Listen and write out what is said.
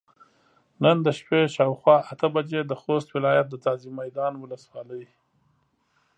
نن د شپې شاوخوا اته بجې د خوست ولايت د ځاځي ميدان ولسوالۍ